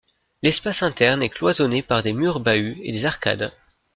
L'espace interne est cloisonné par des murs-bahuts et des arcades.